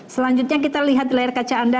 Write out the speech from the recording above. selanjutnya kita lihat di layar kaca anda